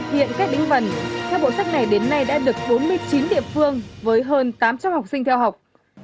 hiện các đỉnh vần các bộ sách này đến nay đã được bốn mươi chín địa phương với hơn tám trăm linh học sinh theo học